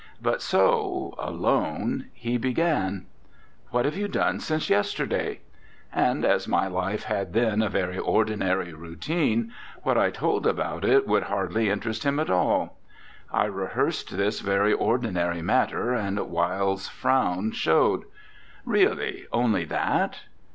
But so, alone, he began: "What have you done since yester day?" And as my life had then a very ordi nary routine, what I told about it could hardly interest him at all. I rehearsed this very ordinary matter, and Wilde's frown showed. "Really only that?"